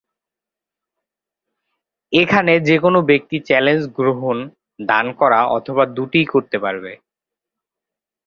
এখানে যে কোন ব্যক্তি চ্যালেঞ্জ গ্রহণ, দান করা অথবা দুটিই করতে পারবে।